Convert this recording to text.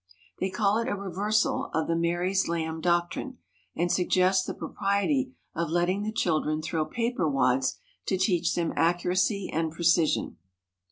They call it a reversal of the Mary's lamb doctrine, and suggest the propriety of letting the children throw paper wads to teach them accuracy and precision.